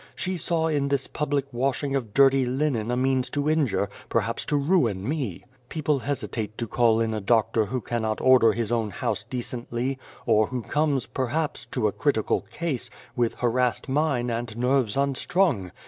She saw in this public washing of dirty linen a means to injure, perhaps to ruin me. People The Face hesitate to call in a doctor who cannot order his own house decently, or who comes, perhaps to a critical case, with harassed mind and nerves unstrung.